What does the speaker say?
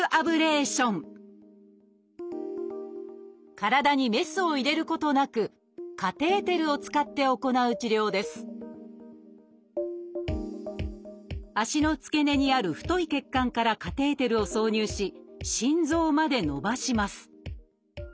体にメスを入れることなくカテーテルを使って行う治療です足の付け根にある太い血管からカテーテルを挿入し心臓まで延ばします。